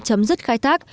chấm dứt khai thác